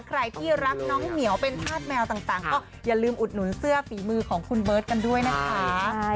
ใครที่รักน้องเหมียวเป็นธาตุแมวต่างก็อย่าลืมอุดหนุนเสื้อฝีมือของคุณเบิร์ตกันด้วยนะคะ